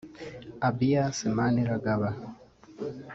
Abias Maniragaba